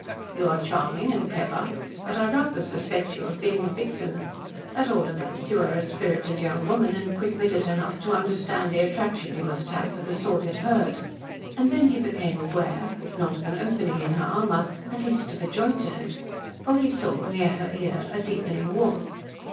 "You are charming and clever, but I rather suspect you of being a vixen. At all events you are a spirited young woman and quick witted enough to understand the attraction you must have for the sordid herd." And then he became aware if not of an opening in her armour at least of a joint in it. For he saw, near her ear, a deepening warmth.